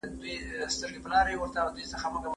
ښوونځی ته ولاړ سه!؟